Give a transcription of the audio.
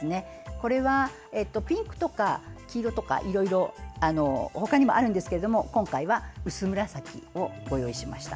これはピンクとか黄色とかいろいろほかにもありますが今回は薄紫をご用意しました。